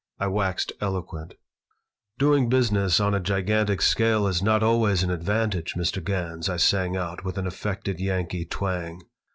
I waxed eloquent "Doing business on a gigantic scale is not always an advantage, Mr. Gans," I sang out, with an affected Yankee twang.